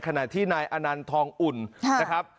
ขณะที่นายอนันต์ทองอุ่นนะครับ